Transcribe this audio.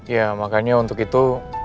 ya makanya untuk itu